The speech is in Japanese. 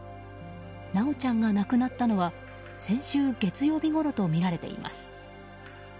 修ちゃんが亡くなったのは先週月曜日ごろとみられています。